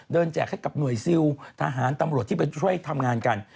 แจกให้กับหน่วยซิลทหารตำรวจที่ไปช่วยทำงานกัน